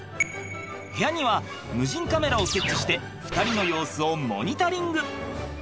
部屋には無人カメラを設置して２人の様子をモニタリング。